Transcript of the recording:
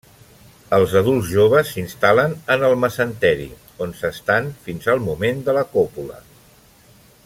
Els adults joves s’instal·len en el mesenteri, on s’estan fins al moment de la còpula.